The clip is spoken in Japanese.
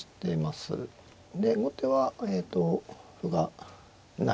で後手はえと歩がない。